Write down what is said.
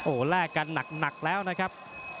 โอ้โหแลกกันหนักแล้วนะครับ